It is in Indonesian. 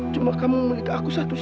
cuma kamu memberikan aku satu hati